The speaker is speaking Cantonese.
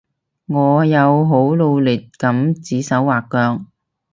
我有好努力噉指手劃腳